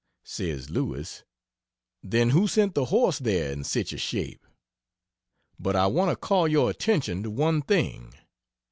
Says Lewis: "Then who sent the horse there in sich a shape?" But I want to call your attention to one thing.